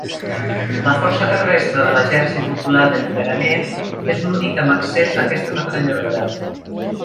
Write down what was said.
La Força terrestre de l'Exèrcit Popular d'Alliberament és l'únic amb accés a aquesta metralladora.